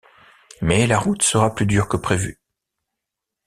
Mais la route sera plus dure que prévu.